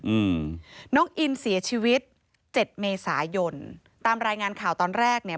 อืมน้องอินเสียชีวิตเจ็ดเมษายนตามรายงานข่าวตอนแรกเนี่ย